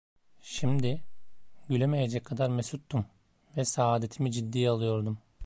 Şimdi, gülemeyecek kadar mesuttum ve saadetimi ciddiye alıyordum.